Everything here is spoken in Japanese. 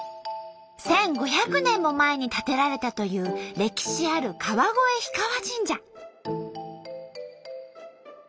１，５００年も前に建てられたという歴史ある川越氷川神社。